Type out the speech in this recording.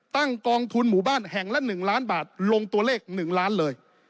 กองทุนหมู่บ้านแห่งละ๑ล้านบาทลงตัวเลข๑ล้านเลย